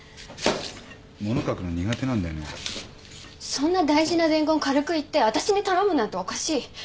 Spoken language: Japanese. そんな大事な伝言軽く言ってわたしに頼むなんておかしい。